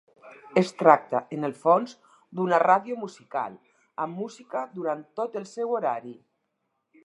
Es tracta, en el fons, d'una ràdio musical, amb música durant tot el seu horari.